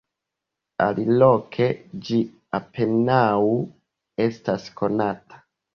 Aliloke ĝi apenaŭ estas konata.